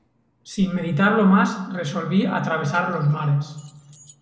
sin meditarlo más, resolví atravesar los mares.